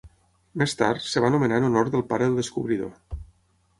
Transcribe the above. Més tard, es va anomenar en honor del pare del descobridor.